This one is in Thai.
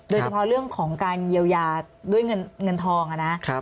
โดยเฉพาะเรื่องของการเยียวยาด้วยเงินทองนะ